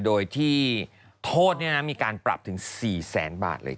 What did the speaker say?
โดยที่โทษมีการปรับถึง๔แสนบาทเลย